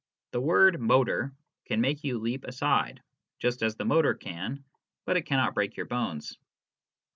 The word " motor !" can make you leap aside, just as the motor can, but it cannot break your bones.